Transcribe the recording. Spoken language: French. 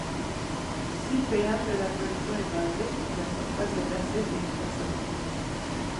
Si le pH de la solution est basique, la surface est acide, et inversement.